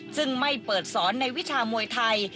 ซึ่งไม่เปิดสอนในวิชามวยไทย